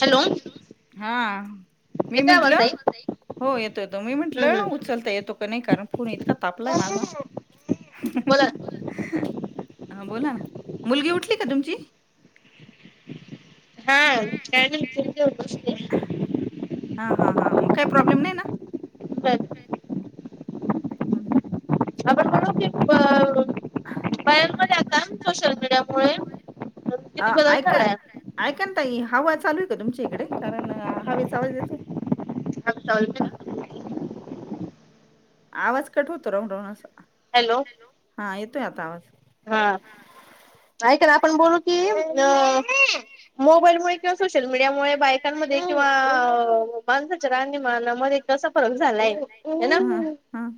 Hello. हा, मी म्हटलं हो येतो, येतो. मी म्हटलं उचलता येतो का नाही कारण फोन इतका तापलाय माझा. बोला. ह, बोला ना मुलगी उठली का तुमची? [inaudible] हां, हां, हां मग काही प्रॉब्लेम नाही ना? [inaudible] हम्म. [inaudible] बायांमध्ये आता, सोशल मीडिया मुळे किती बदल झालाय. ऐका ना ताई, हवा चालू आहे का तुमच्या इकडे कारण हवेचा आवाज येतोय. [inaudible] आवाज कट होतो, राहून -राहून असा. हॅलो. हा, येतोय आता आवाज. हा, ऐका ना, आपण बोलू की अ मोबाईल मुळे किंवा सोशल मीडिया मुळे बायकांमध्ये किंवा माणसाच्या राहणीमानामुळे कसा फरक झालाय. हे ना. हां.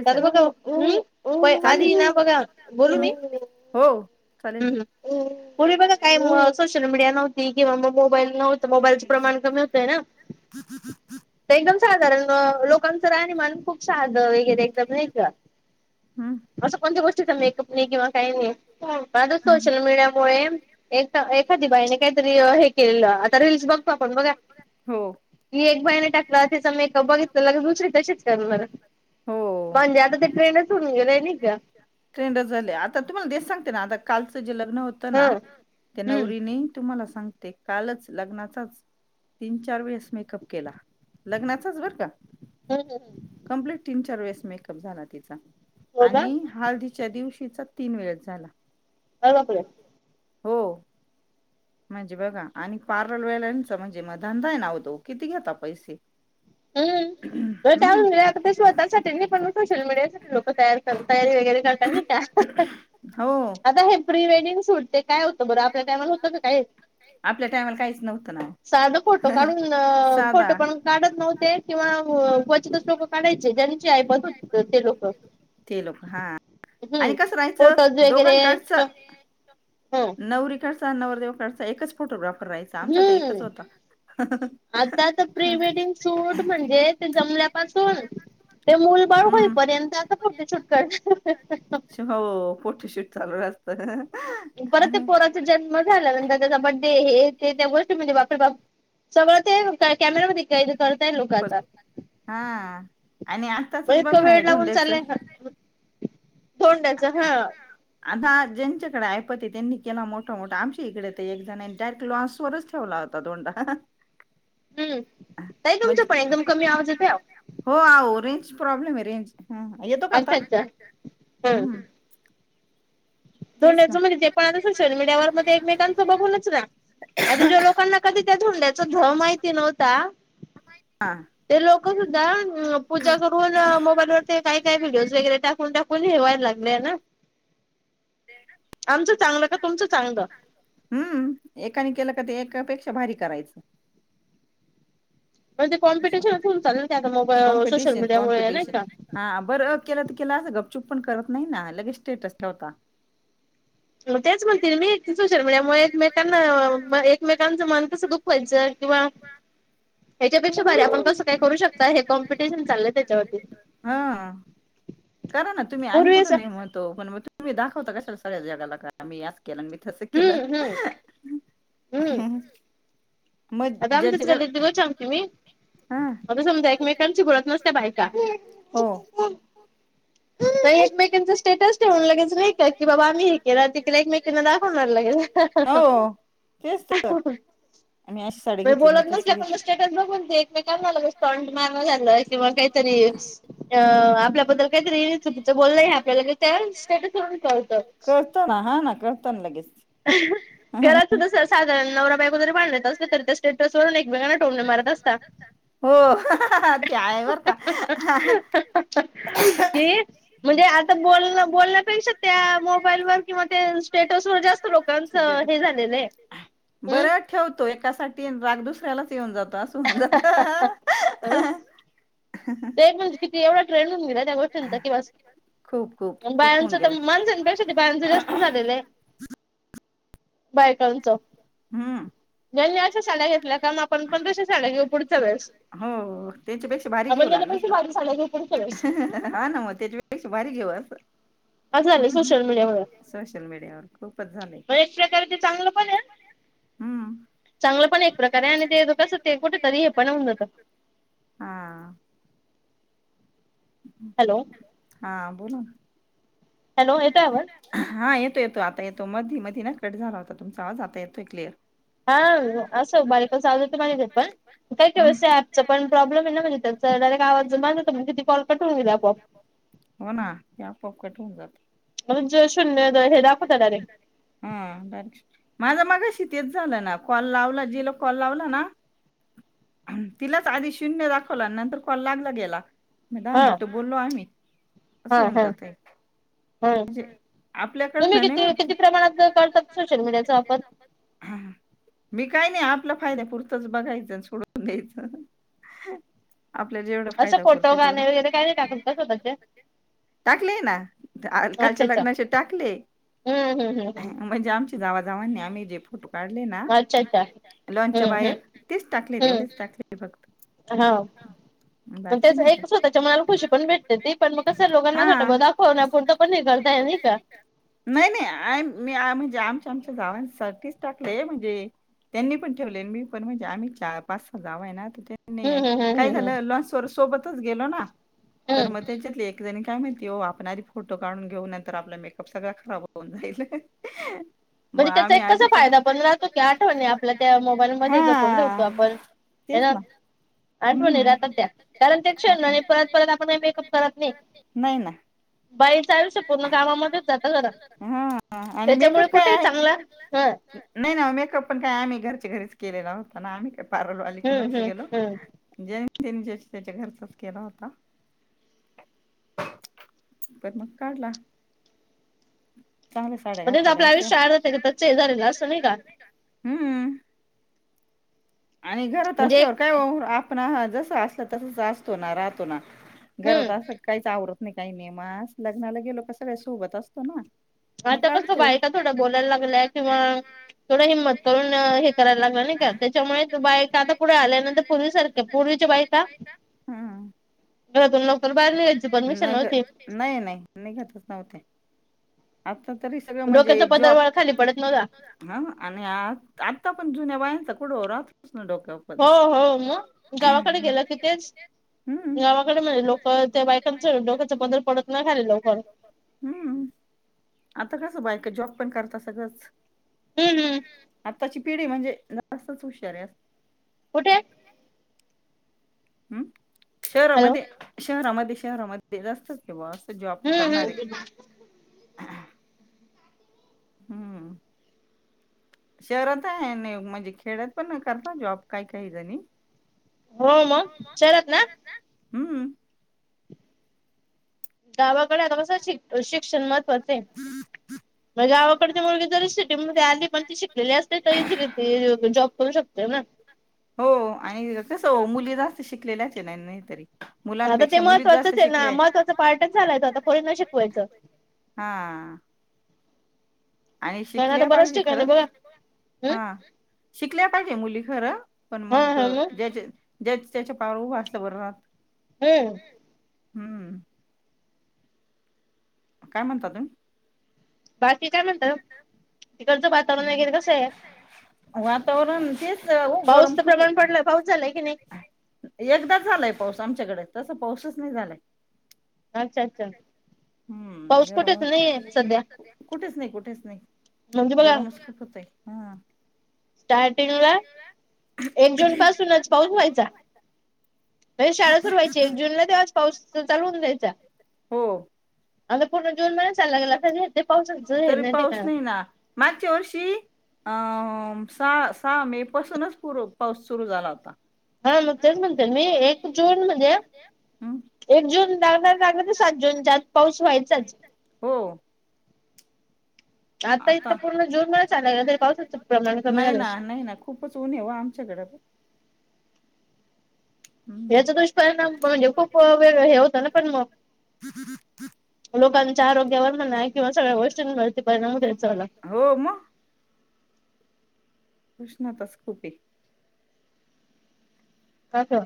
[inaudible] हो, चालेल. पुर्वी बघा काय सोशल मीडिया नव्हती किंवा म मोबाईल नव्हते. मोबाईलच प्रमाण कमी होतय ना. ते एकदम साधारण लोकांचं राहणी मान खूप साध वगैरे एकदम नाही का. असं कोणत्या गोष्टीचा मेकअप नाही किंवा काही नाही. माझ सोशल मीडियामुळे एक एखादी बाईने काहीतरी हे केलेलं आता रीलल्स बघतो आपण बघा. की एक बाईने टाकला तीचा मेकअप बघितलं लगेच दुसरी तशीच करणार. म्हणजे आता ते ट्रेंडचं होऊन गेलेय नाही का. ट्रेंडच झाले आता तुम्हाला ते सांगते ना आता कालचं जे लग्न होतं ना त्या नवरीने तुम्हाला सांगते. कालच लग्नाचाच तीन चार वेळेस मेकअप केला. लग्नाचाच बर का. [unintelligible] कंप्लीट तीन, चार वेळेस मेकअप झाला तिचा. आणि हल्दीच्या दिवशीचा तीन वेळ झाला. अरे बापर! हो. म्हणजे बघा आणि पार्लरवलांचा म्हणजे मग धंदा हे ना तो किती घेता पैसे. हम्. हो [unintelligible] स्वतःसाठी नाही पण मग सोशल मीडियासाठी लोक तयार तयारी वगैरे करतात नाही का. [unintelligible] [inaudible] हो. प्री वेडिंग सूट ते. ते काय होत बर आपल्या टाइमला. आपल्या टाइमला काहीच नव्हतं ना. साधं फोटो काढून, अ फोटो पण काढत नव्हते. किंवा क्वचितच लोक काढायचे ज्यांनी ज्यां ऐपत होती ते लोक. हम्म फोटोज वगैरे किं नवरीकडचा, नवरदेवकडचा एकच फोटोग्राफर राहायच. हम्म, आता तर प्री वेडिंग सूट म्हणजे ते जमल्यापासून ते मूलबाळ होईपर्यंत अस फोटशूट करता. हो फोटोशूट चालू असत. [unintelligible] जन्म झाला नंतर त्याचा बड्डे हे ते त्या गोष्टी म्हणजे बापरे बाप. सगळं ते कॅमेरामध्ये कैद करताय लोक आता. हा आणि आताचच बघ ना हे धोंड्याचं. [inaudible] धोंड्याचं हा. आता ज्यांच्याकडे ऐपते हे त्यांनी केला मोठा-मोठा आमच्या इकडे ते एक जणांनी डायरेक्ट लॉन्स वरच ठेवला होता धोंडा. हम्, ताई तुमच्या पण एकदम कमी आवाज येतोय आओ. हो आहो रेंज प्रॉब्लेम आहे रेंज, हम् ह येतो का आता ह. धोंड्याचं म्हणजे ते पण आता सोशल मीडियावर म ते एकमेकांचं बघूनच राह. आता ज्या लोकांना कधी त्या धोंड्याचा ध माहिती नव्हता. [inaudible] ते लोक सुद्धा पूजा करून मोबाईल वर ते काही काय व्हिडिओज वगैरे टाकून-टाकून हे व्हायला लागलेय ना. [inaudible] ते आहे ना. आमचं चांगलं का तुमचं चांगलं? हम्म, एकाने केलं का ते एकापेक्षा भारी करायचं. अस, मग ते कॉम्पिटिशन, कॉम्पिटिशन कॉम्पिटिशन हां बरं. केलं तर केला असं गपचुप पण करत नाही ना लगेच स्टेटस ठेवता. तेच म्हणती मी की सोशल मीडियामुळे एकमेकांना एकमेकांचं मन कसं दुखवायचं किंवा हच्यापेक्षा भारी आपण कस काय करू शकता हे कॉम्पिटिशन चाललंय त्याच्यावरती. हा. करा ना तुम्ही आम्ही कुठे नाही म्हणतो पण मग तुम्ही दाखवता कशाला सगळ्या जगाला का आम्ही अस केल मी तस केलं. आता आमच्याच गल्लीतली गोष्ट सांगते मी आता समजा एकमेकांची बोलत नसत्या बायका त्या एकमेकीच स्टेटस ठेवून लगेच नाही का की बाबा आम्ही हे केला ते केला एकमेकांना दाखवणार लगेच. [unintelligible] हो तेच तर. आणि अस मग बोलत नसल्या पण स्टेटस बघून दे एकमेकांना झालं टॉंट मारन झालं किंवा काहीतरी अं आपल्याबद्दल काहीतरी चुकीच बोललंय हे आपल्याला त्या स्टेटसवरून कळत. त ना हा ना कळत ना लगेच. [unintelligible] घरात सुद्धा सर साधारण नवरा बायको जरी भांडत असलं तरी त्या स्टेटस वरून एकमेकांना टोमणे मारत असता. हो. ते आहे बर का. [unintelligible] कि म्हणजे आता बोलण बोलण्यापेक्षा त्या मोबाईल वर किंवा ते स्टेटस वर जास्त लोकांच हे झालेलं हे हम्. ठेवतो एकासाठी आणि राग दुसऱ्यालाच येऊन जात असं होऊन जात. ते एक म्हणजे किती एवढा ट्रेंड होऊन गेला त्या गोष्टींचा कि बस बायांच तर माणसापेक्षा बायाच जास्त झालेले आहे बायकाच. ज्यांनी अशा साड्या घेतल्या का मग आपण पण तश्या साड्या घेऊ पुढच्या वेळेस. हो त्यांच्यापेक्षा भारीक घेऊ लागलंस तर. हा ना मग त्याच्यापेक्षा भारी घेऊ असं. सोशल मीडियावर खूपच झालय. तर ते चांगलं पण आहे. हम्म. चांगलं पण एक प्रकारे आणि ते कसं ते कुठे तरी हे पण होऊन जातं. हा. हं. हॅलो. हा बोलाना. हॅलो. येतोय आवाज? हा येतो येतो आता येतो मधी मधी ना कट झाला होता तुमचा आवाज आता येतोय क्लिअर. हा असं [unintelligible] काही केवस ऍपच पण प्रॉब्लेम आहे ना म्हणजे त्याचा डायरेक्ट आवाज बंध होतो मग तिथ कॉल कट होईल आपोआप. हो ना ते आपोआप कट होऊन जात. मग तुमचं शून्य हे दाखवत डायरेक्ट. हा र माझा मागाशी तेच झालं ना कॉल लावला जिल कॉल लावला ना तिलाच आधी शून्य दाखवला आणि नंतर कॉल लागला गेला. मग दहा मिनिट बोललो आम्ही असं होऊन जातय. हम्म. तुम्ही किती किती प्रमाणात करतात सोशल मीडियाच वापर? हा मी काय नाही आपला फायद्या पुरतंच बघायचं सोडून द्यायचं. ह आपल्याला जेवढा फायदा करतोय तेवढा, टाकलेय ना. कालच्या लग्नाचे टाकले म्हणजे आमच्या जावा- जावांनी आम्ही जे फोटो काढले ना, लॉनच्या बाहेर तेच टाकले, तेवढेच टाकले फक्त. हा मग तेच एक स्वतःच्या मनाला खुशी पण भेटते, ती पण मग कसं लोकांना वा दाखवण्यापुरतं पण नाही करत आहे नाही का. नाही नाही आ मी म्हणजे आमच्या -आमच्या जावांसाठीच टाकले म्हणजे त्यांनी पण ठेवले, अन् मी पण म्हणजे आम्ही चा पाच-सहा जावा आहे ना त्यांनी काय झालं लॉ सवर सोबतच गेलो ना, तर मग त्याच्यात एक जणी काय म्हणती ओ आपण आधी फोटो काढून घेऊ नंतर आपला मेकअप सगळं खराब होऊन जाईल. म्हणजे त्याचा एक कसा फायदा आपण राहतो की आठवणी आपल्या त्या मोबाईलमध्ये जपून ठेवतो आपण. तेच ना आठवण राहतात त्या कारण ते क्षण आणि परत -परत आपण काही मेकअप करत नाही. नाही ना बाईचं आयुष्य पूर्ण कामामध्येच जातं खरं. त्याच्यामुळे कुठेही चांगला ह नाही ना मेकअप पण काय आम्ही घरच्या घरीच केलेला होता ना, आम्ही काही पारलरवालीक नव्हतो गेलो. ज्यानी-त्यानी, जेच्या-तेच्या घरातच केला होता. पण मग काढला. म्हणजेच आपल्या आयुष्य अर्ध त्याच्यातच चेंज झालेलं असतं नाही का? हुं.... आणि घरात असल्यावर काय वो आपण जस असलं तसच असतो ना, राहतो ना. घरात असं काहीच आवरत नाही, काही नाही म असं लग्नाला गेलो का सगळ्या सोबत असतो ना, आता कसं बायका थोडं बोलायला लागलंय किंवा थोडं हिंमत करून हे करायला लागलं नाही का त्याच्यामुळे त बायका आता पुढे आल्यानंतर पूर्वी सारखे पूर्वीची बायका घरातून लवकर बाहेर निघायची परमिशन नव्हती. नाही, नाही निघतच नव्हते. आता तरी सगळं म्हणजे जॉब हं आणि आ आत्ता पण जुन्या बायांचां कुठं राहतोच ना डोक्यावर. हो हो मग गावाकडे गेलं की तेच. गावा म्ह लोक ते बायकांच डोकचे पदर पडत नाही खाली लवकर. हम्म आता कसं बायका जॉब पण करता सगळंच हूं.. हू आत्ताची पिढी म्हणजे जास्तच हुशार आहे असं. कुठे हम् शहरामध्ये, शहरामध्ये, शहरामध्ये. ते जास्तच हे बुवा असं जॉब करणारे. हूं... शहरात आहे नाही म्हणजे खेड्यात पण करता जॉब काय काही जणी, हो मग शहरात ना? हूं... गावाकडे आता कस शिक शिक्षण महत्वाचंये. म्हणजे गावाकडची मुलगी जरी सिटीमध्ये आली पण ती शिकलेली असते तर ती त जॉब करू शकते ना. हो-हो आणि कसं हो मुली जास्त शिकलेल्याच हे ना नाही तरी. आता ते महत्त्वाचंच हे ना, महत्वाचं पार्ट झालाय तो आता पोरींना ना शिकवायचं. हा. आणि शिकल्या पाहिजे खरंच हं. शिकल्या पाहिजे मुली खरं, पण मग ज्या- ज्याच्या, त्याच्या पायावर उभं असलं बर राहत. होय. हम्म. काय म्हणता हेत? बाकी काय म्हणता, तिकडच वातावरण वगैरे कसं आहे? वातावरण तेच हो गरम खूप होत. एकदाच झालाय पाऊस आमच्याकडे, तसं पाऊसच नाही झालाय. हम्म गरम, कुठेच नाही हेत त्या. कुठेच नाही, कुठेच नाही. गरमच खुप होतंय. हं. स्टार्टिंगला एक जून पासूनच पाऊच व्हायचा. म्हणजे शाळा सुरु व्हायची एक जूनला तेव्हाच पाऊस चालू हुन जायचा. आता पूर्ण जून महिना चालला गेला तरी तरी पाऊस नाही हे ना. मागच्या वर्षी अं सहा-सहा मे पासूनच पूर पाऊस सुरू झाला होता. हा मग तेच म्हणते ना मी, एक जून मध्ये एक जून लागला-लागला तर सात जूनच्याआत पाऊस व्हायचाच. हो. आता इथं पूर्ण जून महिना चालला गेला, तरी पावसाचं प्रमाण कमी झालं. खूपच ऊन हो आमच्याकडे पण. याचा दुष्परिणाम म्हणजे खूप वेगळं हे होत ना पण मग. [inaudible] लोकांच्या आरोग्यावर म्हणा किंवा सगळ्या गोष्टींवरती परिणाम [unintelligible] हो मग. उष्णताच खूप हे. हा का?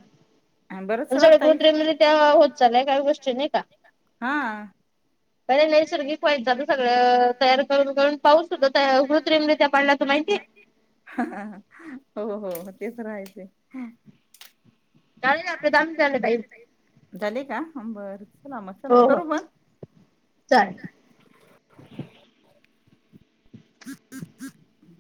पण सगळ्या कृत्रिम रीत्या होत चालल्या काही गोष्टी नाही का. हा. पहिले नैसर्गिक व्हायचं आता सगळं तयार करून- करून पाऊस सुद्धा कृत्रिम रीत्या पाडला जातो माहितीय. हो-हो तेच रायचे. काय नाही आपलं काम चाललंय ताई. झाली का? बर. हो-हो, चालेल. [inaudible]